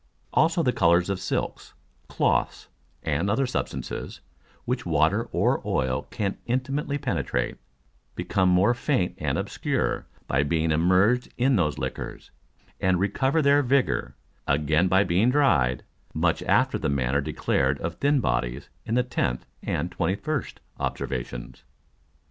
Also the Colours of Silks, Cloths, and other Substances, which Water or Oil can intimately penetrate, become more faint and obscure by being immerged in those Liquors, and recover their Vigor again by being dried; much after the manner declared of thin Bodies in the 10th and 21st Observations.